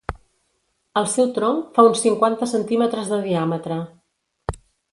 El seu tronc fa uns cinquanta centímetres de diàmetre.